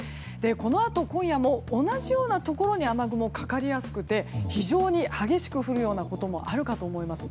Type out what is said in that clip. このあと今夜も同じようなところに雨雲がかかりやすくて非常に激しく降ることもあるかと思います。